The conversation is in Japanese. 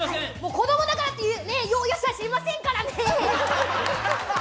子供だからってね知りませんからね！